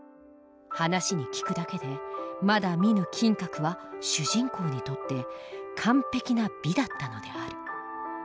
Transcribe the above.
話に聞くだけでまだ見ぬ金閣は主人公にとって完璧な美だったのである。